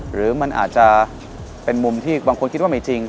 หรือมันอาจจะเป็นมุมที่บางคนคิดว่าไม่จริง